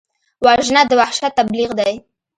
وژنه د وحشت تبلیغ دی